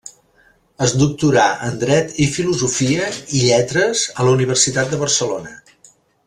Es doctorà en dret i filosofia i Lletres a la Universitat de Barcelona.